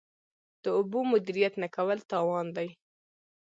د اوبو مدیریت نه کول تاوان دی.